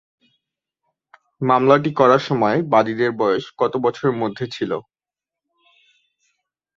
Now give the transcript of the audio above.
মামলাটি করার সময় বাদীদের বয়স কত বছরের মধ্যে ছিল?